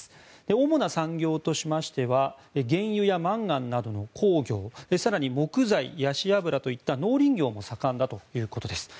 おもな産業としましては原油やマンガンなどの鉱業更に木材やヤシ油といった農林業も盛んだということです。